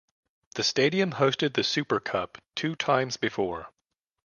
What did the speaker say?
The stadium hosted the super cup two times before.